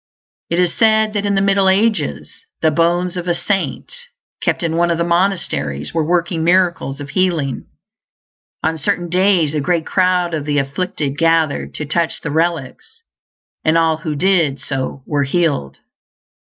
It is said that in the middle ages, the bones of a saint, kept in one of the monasteries, were working miracles of healing; on certain days a great crowd of the afflicted gathered to touch the relics, and all who did so were healed.